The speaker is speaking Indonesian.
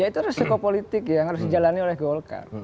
ya itu resiko politik yang harus dijalani oleh golkar